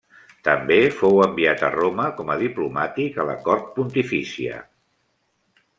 També fou enviat a Roma com a diplomàtic a la cort pontifícia.